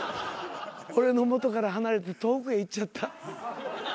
俺の元から離れて遠くへ行っちゃった。